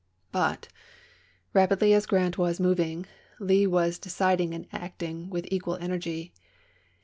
But, rapidly as Grant was moving, Lee was decid ing and acting with equal energy.